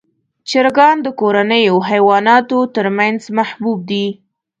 چرګان د کورنیو حیواناتو تر منځ محبوب دي.